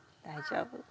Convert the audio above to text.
大丈夫？